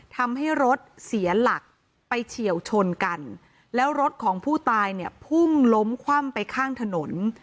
ทำให้รถเสียหลักไปเฉียวชนกันแล้วรถของผู้ตายเนี่ยพุ่งล้มคว่ำไปข้างถนน